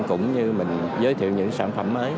cũng như mình giới thiệu những sản phẩm mới